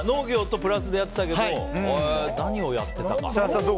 プラスでやってたけど何をやってたか。